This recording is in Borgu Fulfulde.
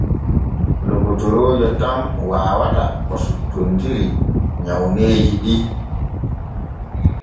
Lokotoroojo tan waawata ko suttontiri nyawneeji ɗi.